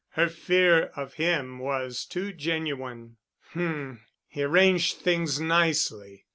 Her fear of him was too genuine. "H m. He arranged things nicely.